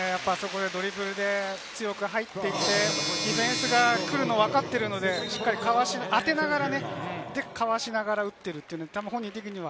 ドリブルで強く入っていって、ディフェンスが来るのがわかってるのでかわし、当てながら、かわしながら打っている、本人的には。